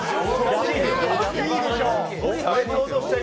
いいでしょう！